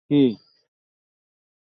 যাই হোক, বাস স্টপে পৌঁছে দেয়ার জন্য ধন্যবাদ।